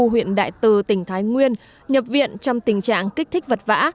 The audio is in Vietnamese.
huyện đại từ tỉnh thái nguyên nhập viện trong tình trạng kích thích vật vã